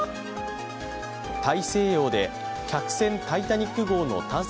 大西洋で客船「タイタニック」号の探索